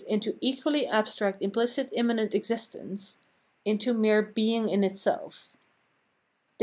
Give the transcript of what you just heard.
into equally abstract imphcit immanent existence — into mere being in itself.